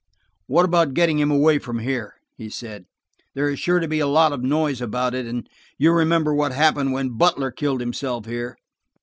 "What about getting him away from here?" he said. "There is sure to be a lot of noise about it, and–you remember what happened when Butler killed himself here."